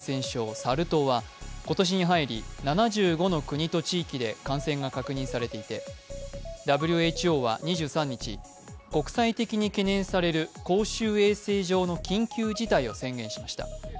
天然痘に似た症状のサル痘は今年に入り、７５の国と地域で感染が確認されていてＷＨＯは２３日、国際的に懸念される公衆衛生上の緊急事態を宣言しました。